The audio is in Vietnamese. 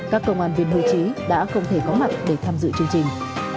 các công an viên hưu trí đã không thể có mặt để tham dự chương trình